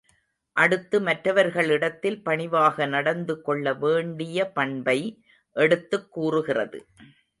அடுத்து மற்றவர்களிடத்தில் பணிவாக நடந்து கொள்ள வேண்டிய பண்பை எடுத்துக் கூறுகிறது.